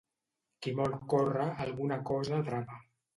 Qui molt corre, alguna cosa atrapa.